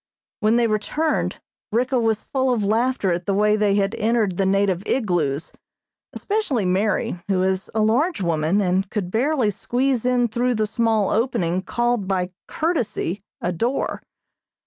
When they returned Ricka was full of laughter at the way they had entered the native igloos, especially Mary, who is a large woman and could barely squeeze in through the small opening called by courtesy a door.